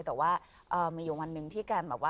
แต่ว่ามีอยู่วันหนึ่งที่การ